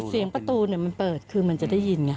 เสียงประตูมันเปิดคือมันจะได้ยินไง